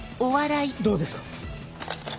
どうですか？